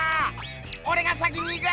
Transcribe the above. おれが先に行く！